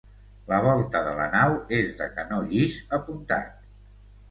La volta de la nau és de canó llis apuntat.